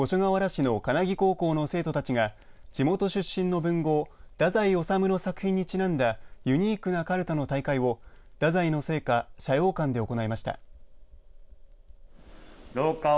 来年３月に閉校する五所川原市の金木高校の生徒たちが地元出身の文豪太宰治の作品にちなんだユニークなかるたの大会を太宰治の生家、斜陽館で行いました。